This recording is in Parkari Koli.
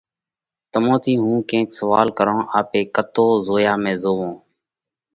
تمون ٿِي هُون ڪينڪ سوئال ڪرونه: آپي ڪتو زويا ۾ زوئونه؟